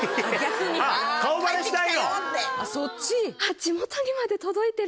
そっち？